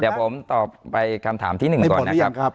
เดี๋ยวผมตอบไปคำถามที่๑ก่อนนะครับ